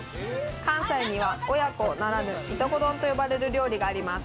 関西には、親子ならぬ、いとこ丼と呼ばれる料理があります。